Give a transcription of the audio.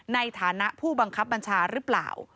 ในฐานะผู้บังคับบัญชาหรือเปล่า